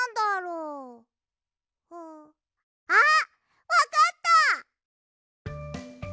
うあっわかった！